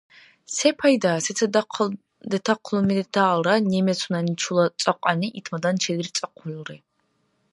Сепайда, сецад дахъал детахълуми детаалра, немецунани чула цӀакьани итмадан чедирцӀахъулри.